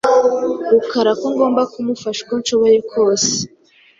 Rukara ko ngomba kumufasha uko nshoboye kose.